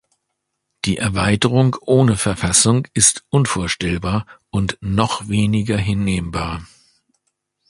Die Erweiterung ohne Verfassung ist unvorstellbar und noch weniger hinnehmbar.